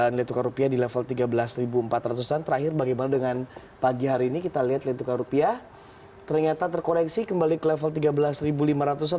nilai tukar rupiah di level tiga belas empat ratus an terakhir bagaimana dengan pagi hari ini kita lihat nilai tukar rupiah ternyata terkoreksi kembali ke level tiga belas lima ratus an